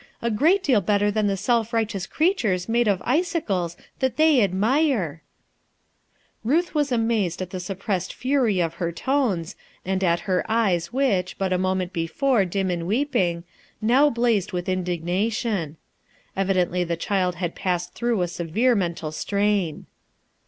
a great deal better than the self righteous creatures made of icicles that they admire I" Ruth was amazed at the suppressed fury of her tones, and at her eyes which, but a moment be fore dim with weeping, now blazed with indig nation. Evidently the child had passed through a severe mental strain.